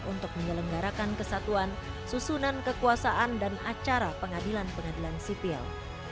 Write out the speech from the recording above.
untuk menyelenggarakan kesatuan susunan kekuasaan dan acara pengadilan pengadilan sipil